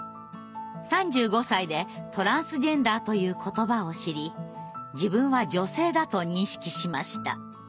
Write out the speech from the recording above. ３５歳でトランスジェンダーという言葉を知り自分は女性だと認識しました。